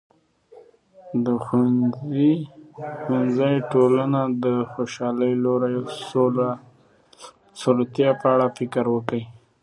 د ښوونځي ټولنې ته د خوشاله وروستیو په اړه فکر وکړي.